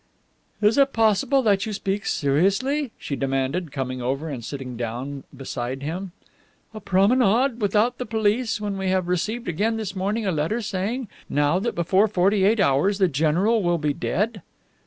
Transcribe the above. "Is it possible that you speak seriously?" she demanded, coming over and sitting down beside him. "A promenade! Without the police, when we have received again this morning a letter saying now that before forty eight hours the general will be dead!"